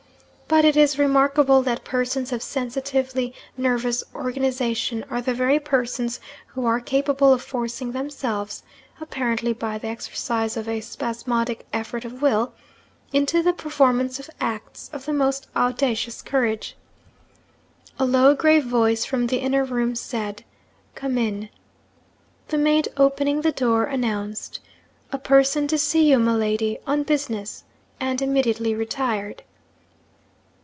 But it is remarkable that persons of sensitively nervous organisation are the very persons who are capable of forcing themselves (apparently by the exercise of a spasmodic effort of will) into the performance of acts of the most audacious courage. A low, grave voice from the inner room said, 'Come in.' The maid, opening the door, announced, 'A person to see you, Miladi, on business,' and immediately retired.